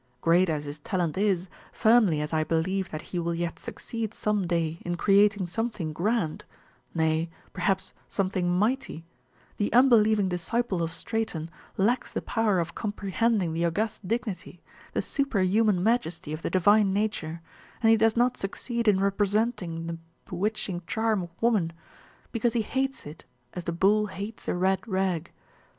Great as his talent is, firmly as I believe that he will yet succeed some day in creating something grand, nay, perhaps something mighty, the unbelieving disciple of Straton lacks the power of comprehending the august dignity, the superhuman majesty of the divine nature, and he does not succeed in representing the bewitching charm of woman, because he hates it as the bull hates a red rag.